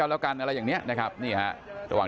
ระดับการรุมละ